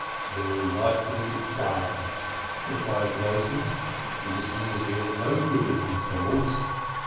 "Very likely it does," replied the boatswain. "Listeners hear no good of themselves."